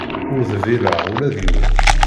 Ur dbileɣ ula d yiwen.